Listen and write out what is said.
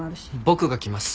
僕が来ます。